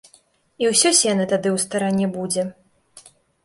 І ўсё сена тады ў старане будзе.